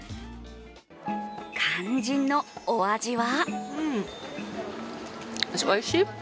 肝心のお味は？